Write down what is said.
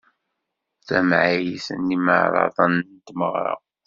Tamɛayt n imeɛraḍen n tmeɣra.